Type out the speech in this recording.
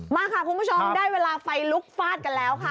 มาค่ะคุณผู้ชมได้เวลาไฟลุกฟาดกันแล้วค่ะ